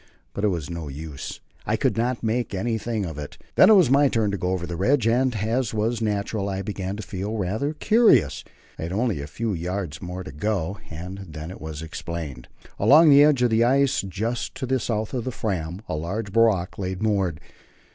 But it was no use; I could not make anything of it. Then it was my turn to go over the ridge, and, as was natural, I began to feel rather curious. I had only a few yards more to go and then it was explained. Along the edge of the ice, just to the south of the Fram, a large barque lay moored.